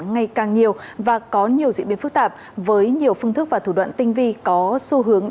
ngày càng nhiều và có nhiều diễn biến phức tạp với nhiều phương thức và thủ đoạn tinh vi có xu hướng